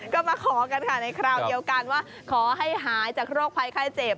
ก็มาขอกันค่ะในคราวเดียวกันว่าขอให้หายจากโรคภัยไข้เจ็บ